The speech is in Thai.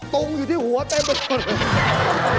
ตุ้งอยู่ที่หัวเต็ม